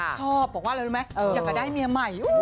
ชอบบอกแล้วรู้ไหมอยากกด้ายเมียใหม่